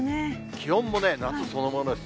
気温も夏そのものです。